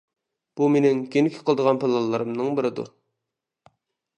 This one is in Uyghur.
بۇ مېنىڭ كېيىنكى قىلىدىغان پىلانلىرىمنىڭ بىرىدۇر.